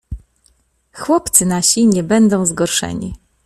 "Chłopcy nasi nie będą zgorszeni."